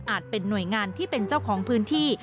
เป็นหน่วยงานที่เป็นเจ้าของพื้นที่